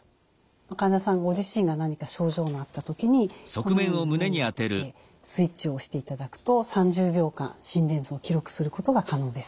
患者さんご自身が何か症状のあった時にこのように胸に当ててスイッチを押していただくと３０秒間心電図を記録することが可能です。